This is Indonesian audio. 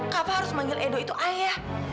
kapan harus manggil edo itu ayah